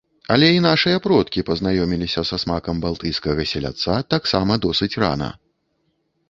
Але і нашыя продкі пазнаёміліся са смакам балтыйскага селядца таксама досыць рана.